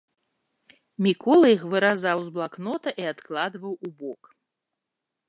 Мікола іх выразаў з блакнота і адкладваў убок.